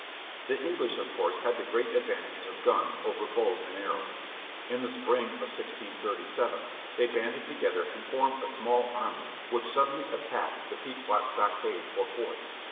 The English of course had the great advantage of guns over bows and arrows. In the spring of 1637 they banded together and formed a small army which suddenly attacked the Pequot stockade or fort.